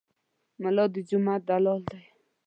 ملا د جومات دلال دی.